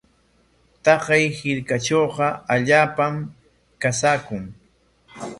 Taqay hirkatrawqa allaapam qasaakun.